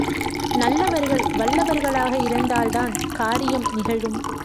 நல்லவர்கள் வல்லவர்களாக இருந்தால் தான், காரியம் நிகழும்.